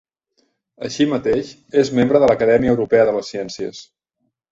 Així mateix és membre de l'Acadèmia Europea de les Ciències.